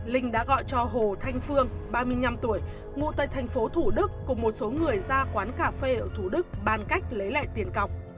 linh đã gọi cho hồ thanh phương ba mươi năm tuổi ngụ tại thành phố thủ đức cùng một số người ra quán cà phê ở thủ đức bán cách lấy lại tiền cọc